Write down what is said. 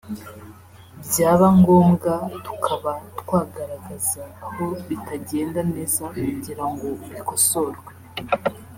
byaba ngombwa tukaba twagaragaza aho bitagenda neza kugira ngo bikosorwe